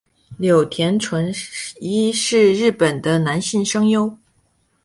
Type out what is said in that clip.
柳田淳一是日本的男性声优。